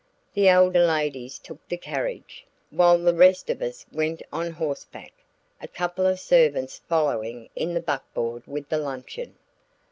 The elder ladies took the carriage, while the rest of us went on horseback, a couple of servants following in the buckboard with the luncheon.